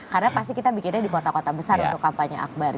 karena pasti kita bikinnya di kota kota besar untuk kampanye akbar